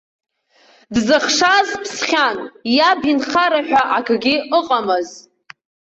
Дзыхшаз ԥсхьан, иаб инхара ҳәа акгьы ыҟамызт.